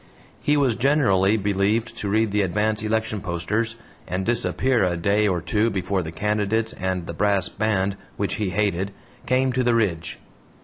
He was generally believed to read the advance election posters, and disappear a day or two before the candidates and the brass band which he hated came to the Ridge.